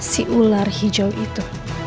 si ular hijau itu